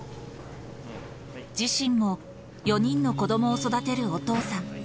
自身も、４人の子どもを育てるお父さん。